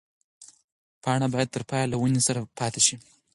پاڼه باید تر پایه له ونې سره پاتې شي.